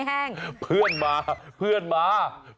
เพื่อนเอาของมาฝากเหรอคะเพื่อนมาดูลูกหมาไงหาถึงบ้านเลยแหละครับ